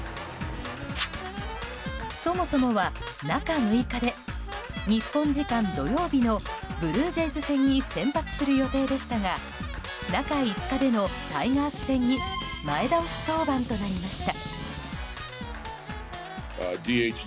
そもそもは中６日で日本時間土曜日のブルージェイズ戦に先発する予定でしたが中５日でのタイガース戦に前倒し登板となりました。